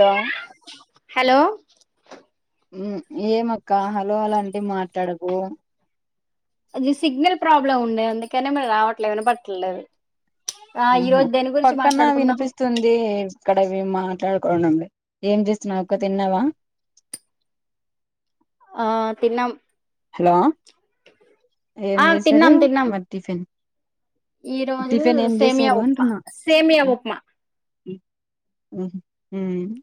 Hello hello మ్ ఏమక్క hello hello అంటే మాట్లాడవూ ఇది సిగ్నల్ ప్రాబ్లమ్ ఉండే అందుకనే మరి రావట్లేదనే వినపడట్లేదు అహ పక్కన వినిపిస్తుంది ఇక్కడ వి మాట్లాడు కోవడం లే ఏం చేస్తునవక్క తిన్నావా ఆ తిన్నం హలో ఏం ఆ తిన్నాం జేశారు తిన్నాం మరి టిఫిన్ ఈ రోజు టిఫినేం సేమియా జేసారు ఉప్మా అంటున్నా సేమియా మ్ ఉప్మా హు మ్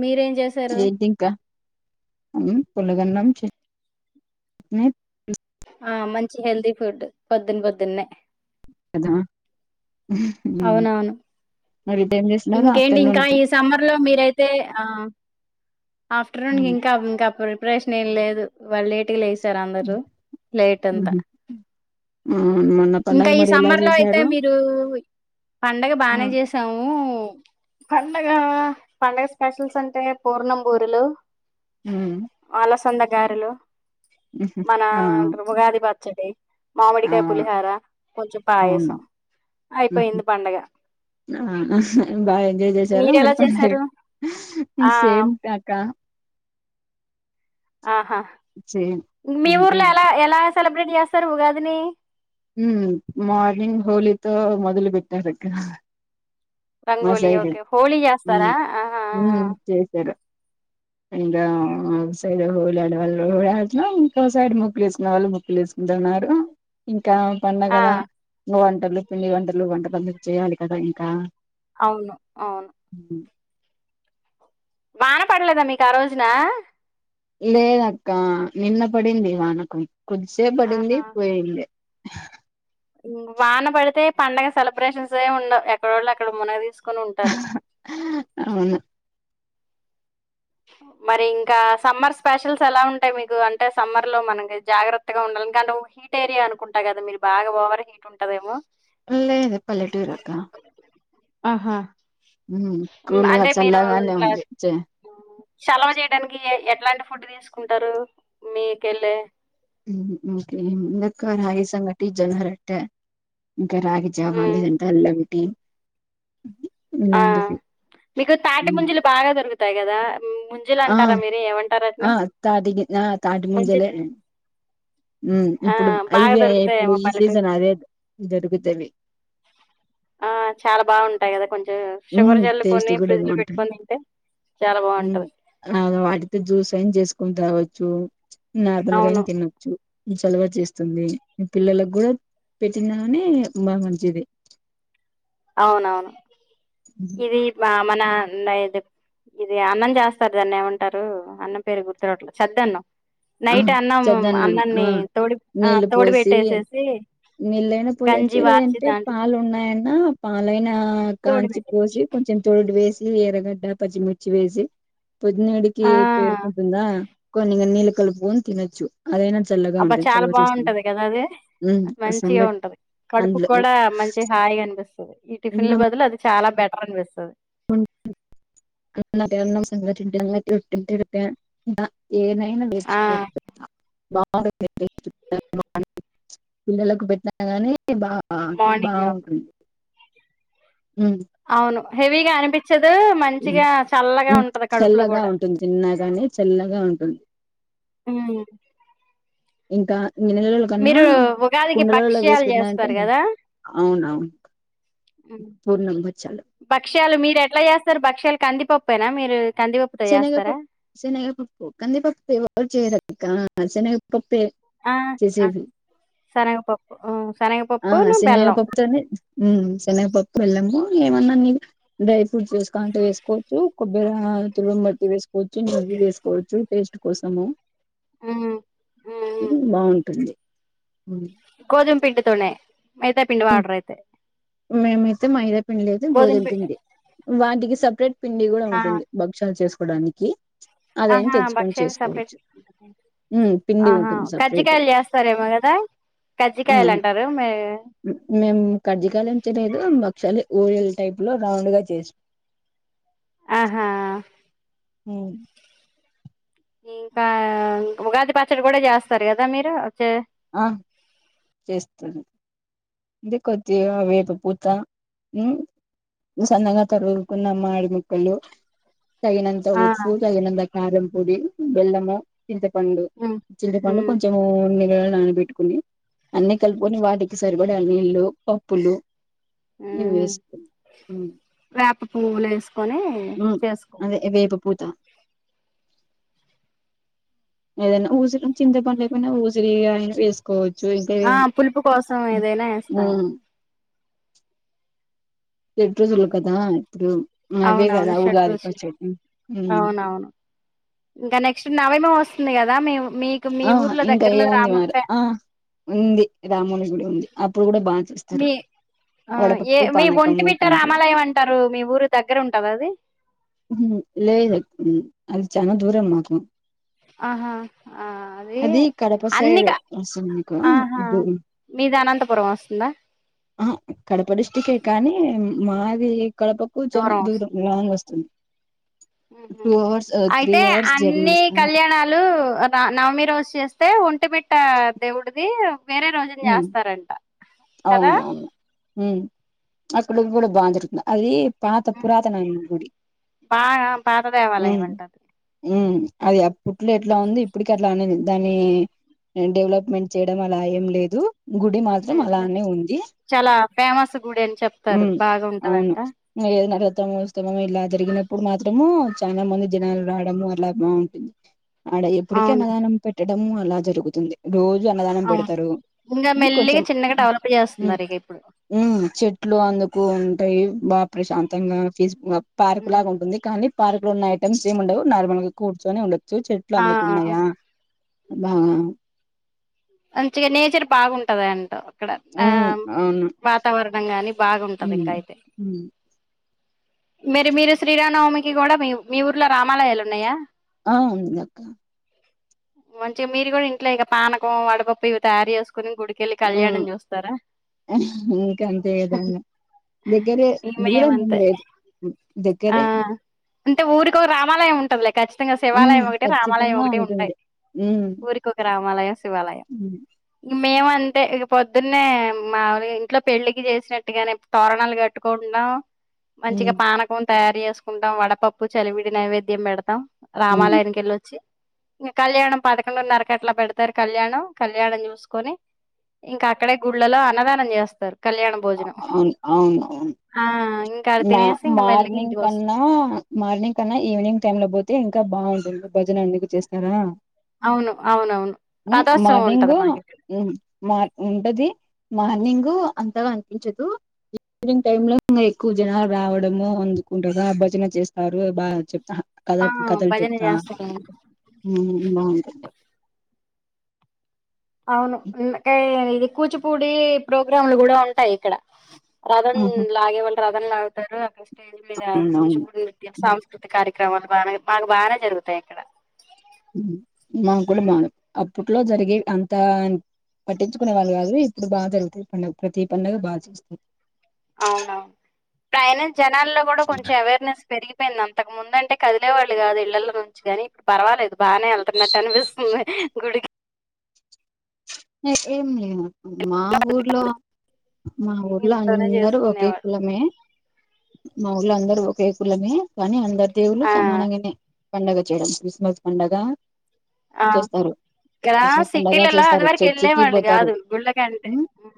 మీరేం జేశారు ఏంటి ఇంకా మ్ పులగన్నం చట్నీ ఆ మంచి హెల్తీ ఫుడ్ పొద్దున్ పొద్దున్నే కదా అవునవును మరి ఏం చేస్ ఇంకేంటి ఇంకా ఈ సమ్మర్లో మీరైతే ఆ ఆఫ్టర్నూన్ మ్ ఇంకా ఇంకా ప్రిపరేషన్ ఏం లేదు వాల్ లేట్గా లేస్ సారందారు లేటంత మ్హు ఆ మొన్న ఇంకా పండగ ఈ మరి ఎలా సమ్మర్లో అయితే చేశారు మీరు పండగ ఆ బానే జేసాము పండగా పండగ స్పెషల్స్ అంటే పూర్ణం బూరేలు మ్ పండగారేలు మ్హు మన ఆ అంటారు ఉగాది పచ్ ఆ మామిడికాయ పులిహార కొంచెం అవునా పాయసం మ్హు అయిపోంది పండుగ ఆ! బాగా ఎంజాయ్ చేశారా మరి పండగ ఆ సేమ్ అక్క ఆహా సేమ్ మీ అంతే ఊర్లో ఇంక ఎలా ఎలా సెలబ్రేట్ చేస్తారు ఉగాదిని హుమ్ మార్నింగ్ హోలీతో మొదలు పెట్టారక్క రంగోలి ఓకే హోళి మ్ ఏస్తారా ఆహ అ మ్ చేశారు ఇంకా ఒక సైడ్ హోలిఆడే ఈ అట్లో ఇంకో సైడ్ ముక్లేసుకునే వాళ్ళు ముగ్లేసుకుంటున్నారు ఇంకా ఆ పండగదా ఇగ వంటలు పిండి వంటలు వంటకాలు చేయాలి కదా ఇంకా అవును ఔను హ్మ్. వాన పడలేదా మీకా రోజునా లేదక్క నిన్న పడింది వాన కోద్ధిసేప్ పడింది ఆహా పోయింది వాన పడితే పండగ సెలబ్రేషన్స్ ఏముండవు ఎక్కడోళ్ళు అక్కడ మునగ తీస్ అవును మరి ఇంకా సమ్మర్ స్పెషల్సేలా ఉంటాయి మీకు అంటే సమ్మర్లో మనకి జాగ్రత్తగా ఉండా ఇంకా నువ్ హీట్ ఏరియా అనుకుంటా గదా మీరు బాగా ఓవర్ హీట్ ఉంటదేమో లేదు పల్లెటూరక్కా. ఆహా కూల్గా అంటే మీరు చల్లగానే ఇట్లా ఉంది చే సలవ జేయడానికి ఏ ఎ ఎలాంటి ఫుడ్ తీస్కుంటరు మీకెళ్ళే ఓకే ముందక్క రాగిసంగటి జొన్నరోట్టే ఇంకా రాగిజావా మ్, లేదంటే అల్లంటి ఆ మీకు తాటి ముజెలు బాగా దొరుకుతాయి కదా ఆ ముంజలంటారా మీరు ఆ ఏమంటారట్ని తాటి గి ఆ ముంజ్ మ్ ఇప్పుడు ఇవే ఇప్పుడు దొరుకుతాయేమో ఈ పల్లెటూరు సీజన్ అదే దొరుకుతది ఆ చాలా బాగుంటాయి గదా కొంచెం ఉమ్ షుగర్ జల్లుకొని ఫ్రిడ్జ్లో పెట్కోన్ తింటే చాలా మ్ బావుంటది. ఆ వాటితో జ్యూస్ ఐన్ చేస్ కొన్ తాగచ్చు అవును. నార్మల్గైన్ తినొచ్చు. ఈ చల్వ చేస్తుంది పిల్లలక్ గుడా పెట్టినానే బాగా మంచిది. అవునవును ఉమ్ ఇది బా మన నై ఇది అన్నం చేస్తారు దాన్నేమంటారు అన్నం పేరు గుర్తు రావట్లే సద్దన్నం. ఆ నైట్ అన్నం చద్దన్నం ఆ అన్నంని తోడి ఆ తోడి పెట్టేసేసి నీళ్ళైన పోయచ్చు లేదంటే పాలు ఉన్నాయన్న పాలైన నా కాంచి తోడిబెట్టేయచ్చు. పోసి కొంచెం తోడు వేసి ఎర్రగడ్డ, పచ్చిమిర్చి వేసి పొద్దున్నేడికి ఆ! పేరుకుంటుందా కొన్నిగ నీళ్ళు కలుపుని తినచ్చు. అదైనా చల్లగా అబ్బా! ఉంటది చాలా చల్వ చేస్తున్న చిగా ఉంటది కడుపుక్ కూడా మంచి హాయిగ అన్పిస్తది. ఈ టిఫిన్లు బదులు అది చాలా బెటర్ అన్పిస్తది. [unintelligible] ఏనైనా మిర్చి ఆ! పోట్ బాగుంది టేస్ట్ చాలా బాగుంది పిల్లలకు పెట్టినా గాని అంటే బాగా మార్నింగ్ బాగుంటుం అవును హెవీ అనిపి పించదు ఉమ్ మంచిగా చల్లగా హ్మ్. ఉంటది కడుపులో చల్లగా గుడా ఉంటుంది తిన్నాగాని చల్లగా ఉంటుంది మ్ ఇంకా గిన్నెలలోలో కన్నా ఉగాదికి కుండలలో వేసి భక్ష్యాలు పెట్టినాంటే జేస్తారు గదా! అవున్ అవున్ భక్ష్యాలు మీరెట్ల చేస్తరు భక్ష్యాల్ కంది పప్పేనా మీరు కందిపప్పుతో శనగ జేస్తారా? పప్ శనగ పప్పు కంది పప్పుతో ఎవరు చేయరక్క శనగ పప్ ప్పే ఆ! ఆ! చేసేది. శనగపప్పు ఆ శనగపప్పును, శనగ బెల్లం. పప్పుతోనే మ్ శనగపప్ బెల్లము ఏమన్నా నీకు డ్రై ఫ్రూట్స్ వేస్కో అంటే వేస్కోవచ్చు కొబ్బర తురుమ్ బట్టి వేస్కోచ్చు నీ గీ వేస్కోవచ్చు టేస్ట్ కోసము హ్మ్. హ్మ్. బాగుంటుంది. గోధుమ్ పిండితోనే మైదా పిండి వాడరైతే మేమైతే మైదా పిండి లేదు గోధుమ్ పిండి వాటికి సపరేట్ పిండి గుడా ఆ! ఉంటుంది భక్ష్యాల్ చేస్కోడానికి అహ భక్ష్యాల్ సపరేట్ ఉమ్ పిండి ఆహా ఉంటుంది సపరేట్ కజ్జికాయల్ చేస్తారేమో కదా కజ్జికాయల్ అంటారు. మే మేం కజ్జికాయలేం చేలేదు భక్షాలే ఓయల్ టైప్లో రౌండ్గ చేస్ ఆహా మ్ ఇంకా ఉగాది పచ్చడి గుడా చేస్తారు కదా మీరు వచ్చే ఆ చేస్తను. ఇది కొద్దిగా వేపపూత ఉ సన్నగా తరుగుకున్న మామిడి ముక్కలు తగినంత ఆ ఉప్పు, తగినంత కారం పొడి, బెల్లము చింతపండు ఉమ్ చింతపండు ఉమ్ కొంచెం ఓన్లీ నానబెట్టుకుని అన్నీ కలుపుకొని వాటికి సరిపడి నీళ్లు పప్పులు ఇగో వేస్కో ఆ పువ్వుల్ ఏస్కొని అదే చేస్కుంటారు. వేప ఏదన్న ఊసిరి చింత పండు లేకున్న ఊసిరి ఇగ అయిన వేసుకోవ ఆ పులుపు కోసం ఏదైనా [unintelligible] వేస్తాను షడ్రుచులు కదా ఇప్పుడు అవే అవునవును కదా ఉగాది షడ్రుచులు పచ్చడి ఉమ్ అవునవును ఇంకా నెక్స్ట్ నవమి వస్తుంది కదా మేము ఆ ఇంకా ఏముంది మరి ఆ ఉంది రాముని గుడి ఉంది అప్పుడు కూడా బా చూస్తారు మీ ఆ ఏ మీ ఒంటిమిట్ట రామాలయం అంటారు. మీ ఊరు దగ్గర ఉంటద అది ఉమ్ లేదు అది చానా దూరం మాకు ఆహా ఆ అది కడప సైడ్ అన్నిక వస్తుంది ఆహా మీకు మీది అనంతపురం వస్తుందా అహా కడప డిస్టికే కానీ, మాది కడపకు చాలా దూరం లాంగ్ వస్త ఉహు త్రీ అయితే అవర్స్ జర్నీ అన్నీ వస్తుంది కళ్యాణాలు న నవమి రోజు చేస్తే ఒంటిమిట్ మిట్ట దేవుడిది వేరే రోజున ఉమ్, చేస్తారంట కదా అవునవును ఉ అక్కడ కూడా బాగా దొరుగుతది అది పాత పురాతన గుడి బాగా పాత దేవాలయం ఉమ్ అంట అది ఉమ్ అది అప్పట్లో ఎట్లా ఉంది. ఇప్పటికి అట్లా ఉండింది దానీ డెవలప్మెంట్ చేయడం అలా ఏం లేదు. గుడి మాత్రం లేదా అలానే ఉంది. చాలా ఫేమస్ గుడి అని చెప్తారు ఉమ్ అవును బాగుంటదంట ఏదిన రథం ఒస్తే ఇలా జరిగిన ఇప్పుడు మాతము చాలా మంది జనాలు రావడము అట్లా బా ఆడ ఎప్పడికి అవును అన్నదానం పెట్ పెట్టటం అలా జరుగుతుంది. రోజు అన్నదానం అవును పెడతరు. ఇంగా మెల్లిగా కొంచెం చిన్నగా డెవలప్ చేస్తున్నారు ఇక ఇప్పుడు ఉమ్ చెట్లు అందుకు ఉంటాయి బా ప్రశాంతంగా పీస్ పార్క్ హ్మ్. లాగా ఉంటుంది కానీ పార్క్ లో ఉన్న ఐటెమ్స్ ఏమి ఉండవు. నార్మల్గా కూర్చొని ఉండొచ్చు. చెట్లు ఆ అందుకున్నాయా బా మంచిగా నేచర్ బాగుంటది అంట అక్కడ ఆ ఉమ్ అవును వాతావరణం గాని బాగుంటది ఉమ్ ఇంకా అయితే ఉమ్ మరి మీరు శ్రీరామవమికి కూడా మీ మీ ఊర్లో రామాలయాలు ఉన్నయా ఆ ఉంది అక్క మంచిగా మీరు కూడా ఇంట్లో ఇక పానకం వడపప్పు ఇవి తయారు చేస్ కొని గుడికెళ్ళి కళ్యాణం ఉమ్ చూస్తారా ఇంకా అంతే కదా దగ్గరే దూరం ఏం మేమంతె లేదు హ్మ్, ఆ దగ్గరే అంటే ఊరికి ఒ రామాలయం ఉంటది లే ఖచ్చితంగా ఉమ్ శివాలయం ఒకటి, రామాలయం ఖచ్చితంగా ఒకటి, ఉంటాయి. ఉంటుంది ఉమ్ ఊరికి ఒక రామాలయం శివాలయం ఉమ్ మేమ్ అంతే ఇక పొద్దున్నే మాములుగా ఇంట్లో పెళ్లికి చేసినట్టుగానే తోరణాలు కట్టుకోన్ మంచిగా ఉమ్ పానకం తయారు చేసుకుంటాం. వడపప్పు చలివిడి నైవేద్యం పెడతాం. ఉమ్ రామాలయానికి వెళ్ళొచ్చి, ఇంక కళ్యాణం పదకొండున్నరకు అట్లా పెడతారు. కళ్యాణం కళ్యాణం చూసుకొని ఇంకా అక్కడే గుళ్లలో అన్నదానం చేస్తారు. కళ్యాణ భోజనం ఆ ఇమ్ మా మార్నింగ్ కన్నా మార్నింగ్ కన్నా ఈవినింగ్ టైమ్ లో పోతే ఇంకా బాగుంటుంది భజన ఎందుకు చేస్తారా అవును అవునవును ఉమ్ రథోత్సవం ఉంటది మార్నింగు మాకు ఇక్కడ ఉ మార్ ఉంటది మార్నింగ్ గు అంతగా అనిపించదు ఈనింగ్ టైం లో ఇంగ క్కు జనాలు రావడము అందుకుంటద భజన చేస్తారు బా చెప్తా కథ ఆ కథలు భజన చెప్తా చేస్తారు ఇంకా ఊ మావోణికద్దు అవును ఇంకా ఇది కూచిపూడి ప్రోగ్రాంలు కూడా ఉంటాయి ఇక్కడ రథన్ లాగే వాల్లు రథన్ లాగుతారు. అక్కడ స్టేజ్ మీద అవును కూచిపూడి నృత్యం సాంస్కృతిక కార్య క్రమాలు బానే మాకు బానే జరుగుతాయి ఇక్కడ ఉమ్ మాకు కూడా బానే అప్పట్లో జరిగే అంత పట్టించుకునే వాళ్ళు కాదు. ఇప్పుడు బాగా జరుగుతాయి. పండగ ప్రతి పండగ బాగా చేస్తం. అవునా డైనా జనాల్లో కూడా కొంచెం అవేర్నెస్ పెరిగి అయిపోయింది అంతకముందంటే కదిలేవాళ్ళు కాదు ఇళ్ల ల్లో నుంచి కాని ఇప్పుడు పర్వాలేదు బాగానే వెళ్తున్నట్టు అనిపిస్తుంది గుడికి ఎ ఏం లేదు మా ఊర్లో మా ఊర్లో ఇంట్లోనే అందరూ ఒకే చేసుకునేవాడు కులమే మా ఊర్లో అందరూ ఒకే కులమే కానీ అందరు దేవుల్లు ఆ సమానంగమె పండగ చేయడం క్రిస్మస్ పండగ ఆ చేస్తారు గా క్రిస్మస్ పండగ సిటీలల అది చేస్తారు వర చర్చికి కెళ్లేవాళ్ళు పోతారు కాదు గుళ్ళకంటే ఉ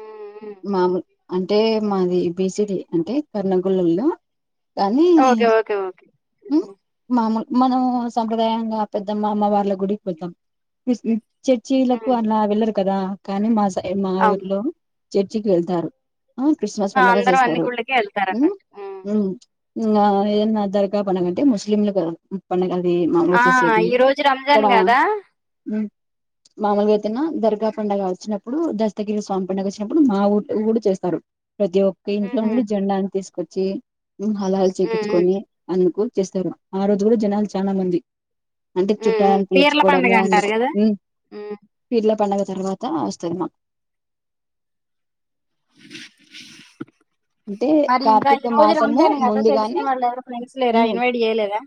ఊ ఊ మామూలు అంటే మాది బిసిడి అంటే కర్నగొల్లోల్లు కానీ ఓకే ఓకే ఓకే మ్ ఉమ్, మామూల్ మనము సంప్రదాయంగా పెద్దమ్మ అమ్మవార్ల గుడికి పోతాం [unintelligible] చట్ చీలకు ఉమ్, అలా వెళ్లరు కదా కానీ మా సైడ్ మా అవును ఊర్లో చర్చికి వెళ్తారు ఆ క్రిస్మస్ ఆ, పండగ అందరూ అన్ని చేస్తారు గుళ్ళకి వెళ్తారు ఉమ్ అన్నట్టు ఉమ్ ఇంగ ఏదన్నా దర్గా పండగంటే ముస్లింలు కద పండగల్ ది మనం ఆ చేసేది ఈ రోజు రంజాన్ ఇక్కడ కదా ఉమ్ మామూలుగైతెనా దర్గా పండగ వచ్చినప్పుడు దస్తగిరి స్వామి పండగ వచ్చినప్పుడు మా ఊట్ ఊడ్ చేస్తారు ప్రతి ఒక్క ఇంట్లో ఉహు, ఉమ్, నుండి జెండాని తీసుకొచ్చి ఉమ్ హలాల్ ఉమ్, చేపించుకొని అందుకు చేస్తరు ఆ రోజు కూడా జనాలు చానా మంది అంటే ఉమ్, ఉమ్. చుట్టాలని పీర్ల పిల్చుకోవడము పండుగ అంటారు అందుకు కదా ఉమ్. పిర్ ల పండగ తర్వాత వస్తది మాక్ అంటే మరి ఇంకా ఈ కార్తీక రోజు మాసము రంజానేగద తెలిసిన ముందుగానే వాళ్ళు ఎవరు ఫ్రెండ్స్ లేరా ఉమ్ ఇన్వైట్ చేయలేరా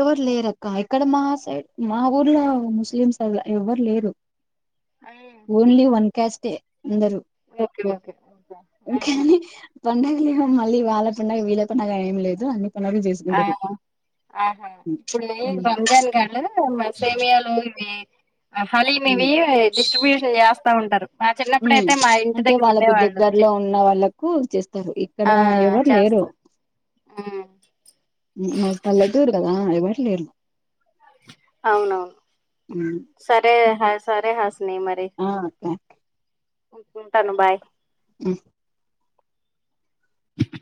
ఎవరు లేరక్క ఇక్కడ మా సైడ్ మా ఊర్లో ముస్లిమ్స్ అల ఎవ్వరు లేరు ఉమ్, ఉమ్. ఓన్లీ వన్ క్యాస్టే అందరు ఓకే ఓకే ఓకే. కానీ పండగ ఇగ మళ్ళీ వాళ్ళ పండగ వీళ్ళ పండగ అనేమి లేదు అన్ని పండగలు ఆ చేసుకుంటరు ఆ. ఆహా ఇప్పుడు మేన్ రంజాన్ కాళ మరి సేమియాలో ఇవి హలీమ్ ఇవి ఉమ్ డిస్ట్రిబ్యూషన్ చేస్తా ఉంటారు మా ఉమ్ చిన్నప్పుడయితే మా ఇంటి అంటే దగ్గర ఉండే వాళ్ళకు వాళ్ళు చి దగ్గరలో ఉన్న వాళ్ళకు చేస్తారు ఇక్కడ ఎవరు లేరు చేస్తారు ఆ ఉ మాది పల్లెటూరు కదా ఎవరు లేరు అవునవును సరే హ సరే హస్ ఆ అక్క ఉంటను బాయ్ ఉ